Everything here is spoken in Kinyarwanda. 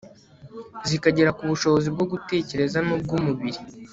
zikagera ku bushobozi bwo gutekereza nubwumubiri